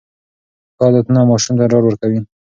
ښه عادتونه ماشوم ته ډاډ ورکوي.